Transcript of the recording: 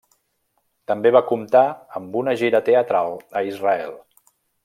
També va comptar amb una gira teatral a Israel.